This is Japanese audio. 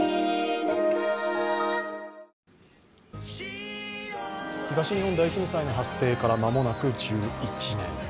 東日本大震災の発生から間もなく１１年。